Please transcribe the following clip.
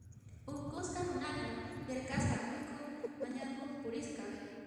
Unqusqa runa yaraqasqa mikhuy mañakuq purisqa.